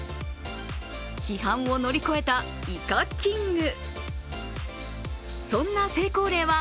批判を乗り越えたイカキング。